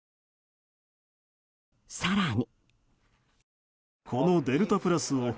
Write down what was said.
更に。